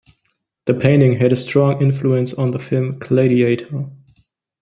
The painting had a strong influence on the film "Gladiator".